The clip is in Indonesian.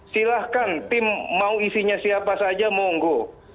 silahkan tim mau isinya siapa saja monggo